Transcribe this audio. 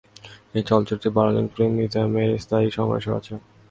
এই চলচ্চিত্রটি Berlin film museum এর স্থায়ী সংগ্রহ হিসেবে আছে।